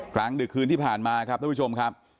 กลางดึกคืนที่ผ่านมาครับท่านผู้ชมครับ